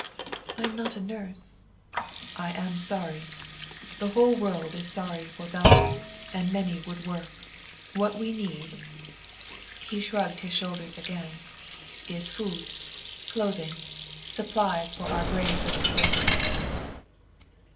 "I am not a nurse." "I am sorry. The whole world is sorry for Belgium, and many would work. What we need" he shrugged his shoulders again "is food, clothing, supplies for our brave little soldiers."